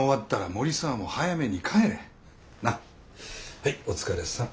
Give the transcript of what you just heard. はいお疲れさん。